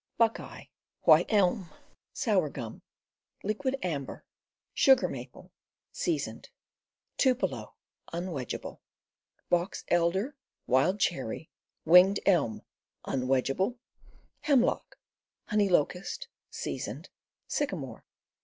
Buckeye, White Elm, Sour Gum, Liquidambar, Sugar Maple (seasoned), Tupelo (unwedgeable). Box Elder, Wild Cherry, Winged Elm (unwedgeable), Hendock, Honey Locust (seasoned). Sycamore.